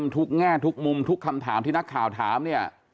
แง่ทุกมุมทุกคำถามที่นักข่าวถามเนี่ย